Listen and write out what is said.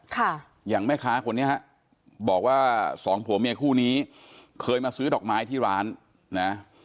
ค่ะอย่างแม่ค้าคนนี้ฮะบอกว่าสองผัวเมียคู่นี้เคยมาซื้อดอกไม้ที่ร้านนะ